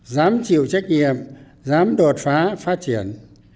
dám chịu trách nhiệm dám đột phá phát triển